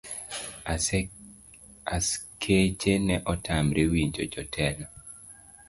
Askeche ne otamre winjo jojela.